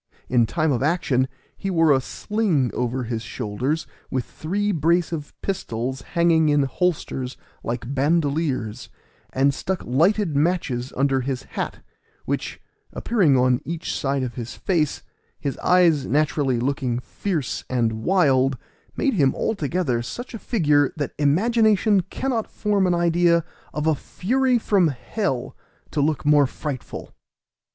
In time of action he wore a sling over his shoulders, with three brace of pistols hanging in holsters like bandoliers, and stuck lighted matches under his hat, which, appearing on each side of his face, his eyes naturally looking fierce and wild, made him altogether such a figure that imagination cannot form an idea of a fury from hell to look more frightful.